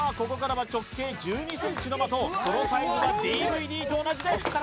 ここからは直径１２ｃｍの的そのサイズはＤＶＤと同じです